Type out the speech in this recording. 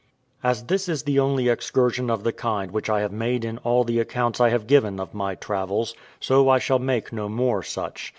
As this is the only excursion of the kind which I have made in all the accounts I have given of my travels, so I shall make no more such.